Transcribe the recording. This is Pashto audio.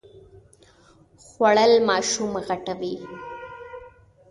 خوړل ماشوم غټوي